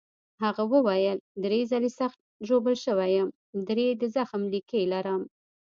هغه وویل: درې ځلي سخت ژوبل شوی یم، درې د زخم لیکې لرم.